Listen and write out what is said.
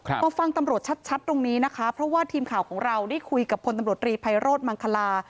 มาฟังตำรวจชัดตรงนี้นะคะเพราะว่าทีมข่าวของเราได้คุยกับพลตำรวจรีไพโรธมังคลา